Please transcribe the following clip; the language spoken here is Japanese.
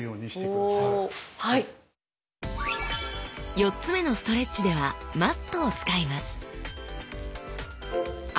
４つ目のストレッチではマットを使います